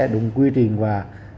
đúng quy trình và